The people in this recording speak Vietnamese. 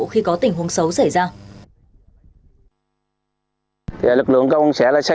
khi có tình huống xấu xảy ra